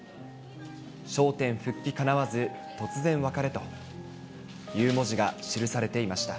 笑点復帰かなわず、突然別れという文字が記されていました。